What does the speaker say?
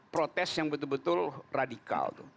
protes yang betul betul radikal